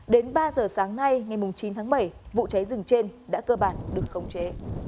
đến ba giờ sáng nay ngày chín tháng bảy vụ cháy rừng trên đã cơ bản được khống chế